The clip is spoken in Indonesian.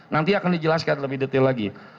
nanti akan dijelaskan lebih detail lagi